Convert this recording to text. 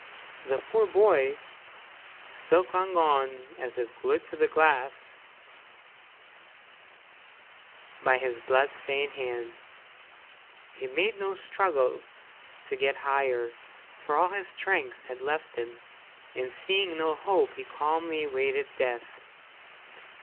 The poor boy still clung on as if glued to the glass by his blood stained hands. He made no struggle to get higher, for all his strength had left him, and seeing no hope he calmly awaited death.